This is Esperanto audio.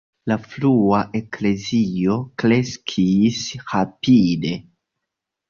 La frua Eklezio kreskis rapide.